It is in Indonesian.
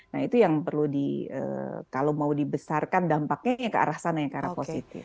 nah itu yang perlu kalau mau dibesarkan dampaknya ke arah sana yang positif